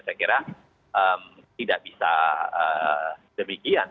saya kira tidak bisa demikian